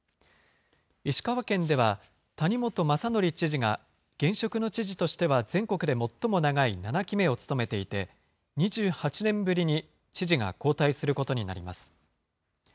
石川県では、谷本正憲知事が、現職の知事としては全国で最も長い７期目を務めていて、２８年ぶりに知事が交代することになります。